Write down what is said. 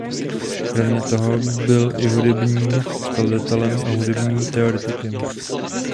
Kromě toho byl i hudebním skladatelem a hudebním teoretikem.